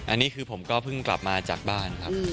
อันนี้คือผมก็เพิ่งกลับมาจากบ้านครับ